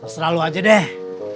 sera lu aja deh